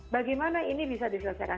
bagaimana ini bisa diselesaikan